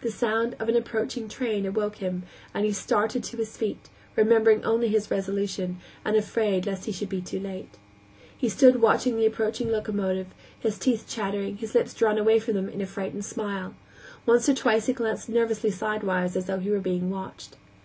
The sound of an approaching train awoke him, and he started to his feet, remembering only his resolution, and afraid lest he should be too late. He stood watching the approaching locomotive, his teeth chattering, his lips drawn away from them in a frightened smile; once or twice he glanced nervously sidewise, as though he were being watched.